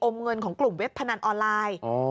เงินของกลุ่มเว็บพนันออนไลน์